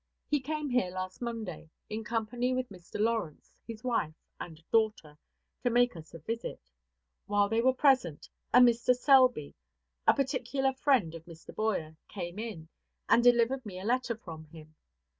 He came here last Monday in company with Mr. Lawrence, his wife, and daughter, to make us a visit. While they were present, a Mr. Selby, a particular friend of Mr. Boyer, came in, and delivered me a letter from him.